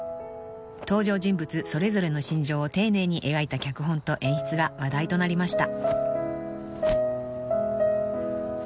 ［登場人物それぞれの心情を丁寧に描いた脚本と演出が話題となりました］